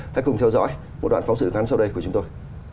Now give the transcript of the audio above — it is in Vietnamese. hãy cùng theo dõi một đoạn phóng sự ngắn sau đây của chúng tôi